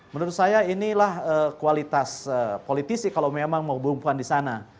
menurut saya inilah kualitas politisi kalau memang mau hubungan di sana